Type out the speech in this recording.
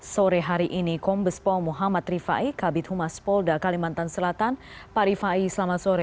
sore hari ini kombes pol muhammad rifai kabit humas polda kalimantan selatan pak rifai selamat sore